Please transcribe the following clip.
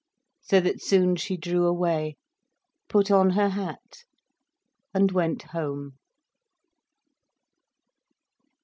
So that soon she drew away, put on her hat and went home.